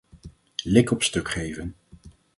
Lik op stuk geven.